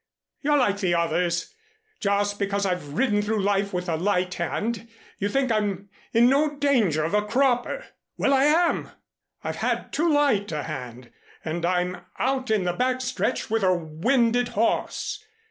You're like the others. Just because I've ridden through life with a light hand, you think I'm in no danger of a cropper. Well, I am. I've had too light a hand, and I'm out in the back stretch with a winded horse.